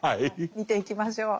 見ていきましょう。